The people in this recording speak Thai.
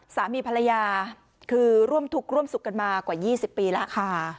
สามีภรรยาคือร่วมทุกข์ร่วมสุขกันมากว่า๒๐ปีแล้วค่ะ